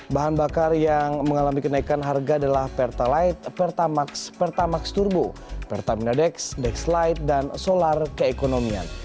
bahan bakar yang mengalami kenaikan harga adalah pertalite pertamax pertamax turbo pertamina dex dexlight dan solar keekonomian